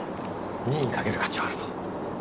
任意かける価値はあるぞ。